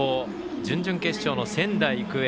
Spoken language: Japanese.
準々決勝の仙台育英。